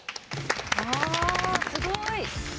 すごい！